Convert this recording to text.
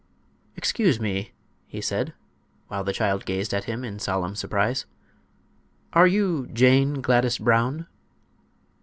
"Excuse me," he said, while the child gazed at him in solemn surprise. "Are you Jane Gladys Brown?"